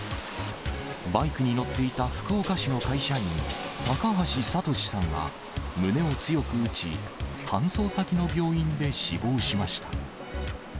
バイクに乗っていた福岡市の会社員、高橋里師さんは、胸を強く打ち、搬送先の病院で死亡しました。